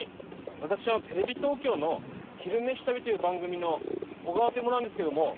私テレビ東京の「昼めし旅」という番組の小川という者なんですけども。